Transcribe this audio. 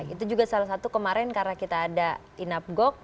itu juga salah satu kemarin karena kita ada inapgok